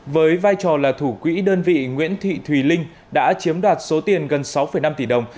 với vai trò là thủ quỹ đơn vị nguyễn thị thùy linh đã chiếm đoạt số tiền gần sáu năm tỷ đồng